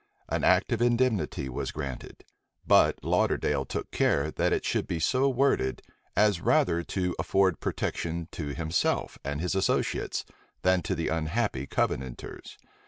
An act of indemnity was granted; but Lauderdale took care that it should be so worded, as rather to afford protection to himself and his associates, than to the unhappy Covenanters.